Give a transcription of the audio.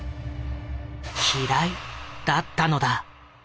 「嫌い」だったのだ。